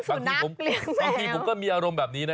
บางทีผมบางทีผมก็มีอารมณ์แบบนี้นะ